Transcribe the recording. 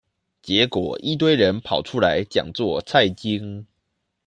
結果一堆人跑出來講做菜經